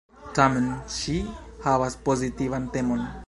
Tamen ŝi havas pozitivan temon.